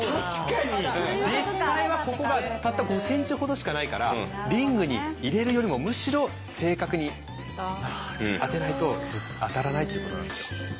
実際はここがたった５ｃｍほどしかないからリングに入れるよりもむしろ正確に当てないと当たらないっていうことなんですよ。